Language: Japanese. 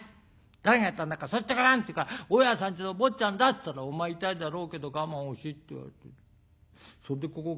誰がやったんだか言ってごらん』って言うから大家さんちの坊ちゃんだって言ったら『お前痛いだろうけど我慢をし』って言われてそれでここ傷があるんだ」。